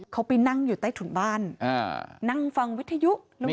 เขาไปนั่งอยู่ใต้ถุรบ้านนั่งฟังวิทยุนะเป็นแบบนี้นะคะ